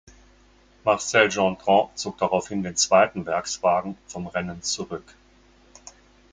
Marcel Gendron zog daraufhin den zweiten Werkswagen vom Rennen zurück.